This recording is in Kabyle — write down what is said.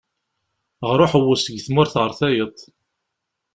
Ɣer uḥewwes deg tmurt ɣer tayeḍ.